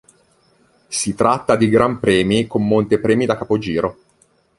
Si tratta di gran premi con montepremi da capogiro.